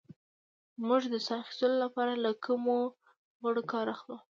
موږ د ساه اخیستلو لپاره له کومو غړو کار اخلو